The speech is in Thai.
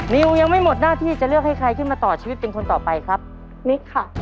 นิวยังไม่หมดหน้าที่จะเลือกให้ใครขึ้นมาต่อชีวิตเป็นคนต่อไปครับนิกค่ะ